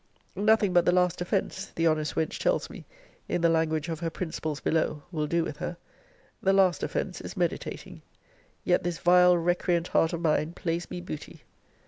Nothing but the last offence, the honest wench tells me, in the language of her principals below, will do with her. The last offence is meditating. Yet this vile recreant heart of mine plays me booty.